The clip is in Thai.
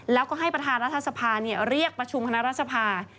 แล้วก็ให้ประธารัฐศัพท์เรียกประชุมคณะรัฐศัพท์